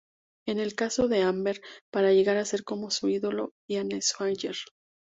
En el caso de Amber, para llegar a ser como su ídolo Diane Sawyer.